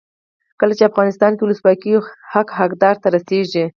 کله چې افغانستان کې ولسواکي وي حق حقدار ته رسیږي.